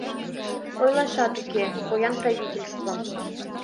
Ойлашат уке — поян правительствым.